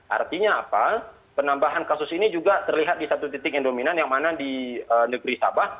artinya apa penambahan kasus ini juga terlihat di satu titik yang dominan yang mana di negeri sabah